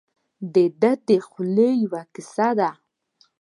دده د خولې یوه کیسه ده.